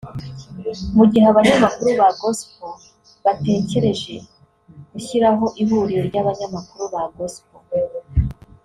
Mu gihe abanyamakuru ba gospel batekereje gushyiraho ihuriro ry’ abanyamakuru ba gospel